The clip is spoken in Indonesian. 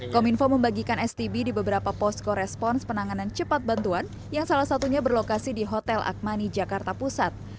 kominfo membagikan stb di beberapa posko respons penanganan cepat bantuan yang salah satunya berlokasi di hotel akmani jakarta pusat